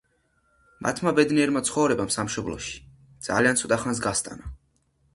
მათმა ბედნიერმა ცხოვრებამ სამშობლოში ძალიან ცოტა ხანს გასტანა.